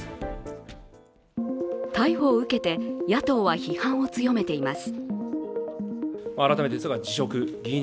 逮捕を受けて野党は批判を強めています。